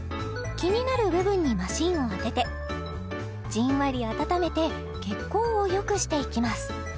気になる部分にマシンを当ててじんわり温めて血行をよくしていきます